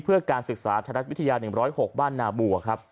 เพื่อการศึกษาไทยรัฐวิทยา๑๐๖บ้านนาบัว